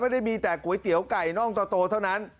ไม่ได้มีแต่ก๋วยเตี๋ยวไก่น่องโตเท่านั้น